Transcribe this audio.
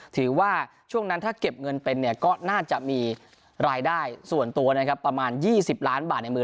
ถือว่าช่วงนั้นถ้าเก็บเงินเป็นเนี่ยก็น่าจะมีรายได้ส่วนตัวนะครับประมาณ๒๐ล้านบาทในมือ